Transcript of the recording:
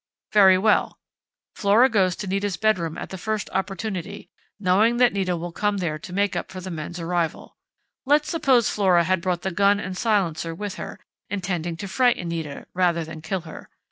Very well! Flora goes to Nita's bedroom at the first opportunity, knowing that Nita will come there to make up for the men's arrival. Let's suppose Flora had brought the gun and silencer with her, intending to frighten Nita, rather than kill her.